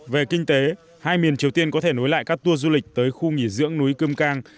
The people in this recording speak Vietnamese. về kinh tế hai miền triều tiên có thể nối lại các tour du lịch tới khu nghỉ dưỡng núi cơm cang